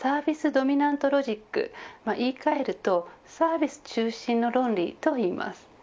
・ドミナント・ロジック言い換えるとサービス中心の論理といいます。